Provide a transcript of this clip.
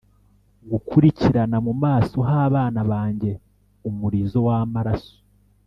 gukurikirana mu maso h'abana banjye umurizo w'amaraso,